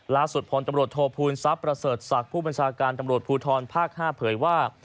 พลตำรวจโทษภูมิทรัพย์ประเสริฐศักดิ์ผู้บัญชาการตำรวจภูทรภาค๕เผยว่า